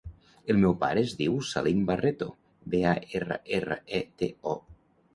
El meu pare es diu Salim Barreto: be, a, erra, erra, e, te, o.